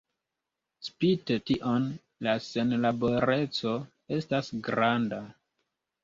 Spite tion la senlaboreco estas granda.